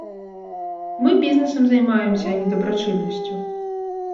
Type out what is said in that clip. Мы бізнэсам займаемся, а не дабрачыннасцю.